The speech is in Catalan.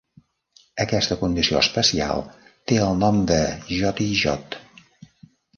Aquesta condició especial té el nom de Joti Jot.